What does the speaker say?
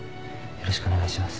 よろしくお願いします。